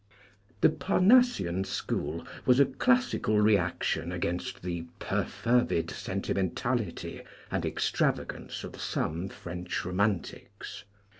The Parnassian School was a classical reaction against the perfervid sentimentality and extravagance of some French Romantics.